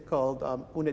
dengan ribuan unit